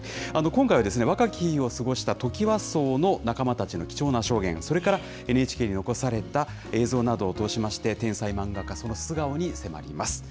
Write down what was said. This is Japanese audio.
今回は若き日を過ごしたトキワ荘の仲間たちの貴重な証言、それから、ＮＨＫに残された映像などを通しまして、天才漫画家、その素顔に迫ります。